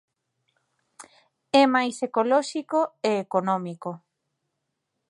É máis ecolóxico e económico.